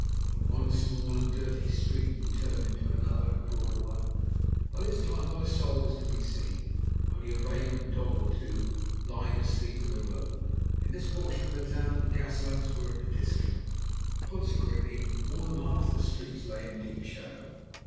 From one small and dirty street we turned into another and broader one. By this time not a soul was to be seen, only a vagrant dog or two lying asleep in the road. In this portion of the town gas lamps were at a discount, consequently more than half the streets lay in deep shadow.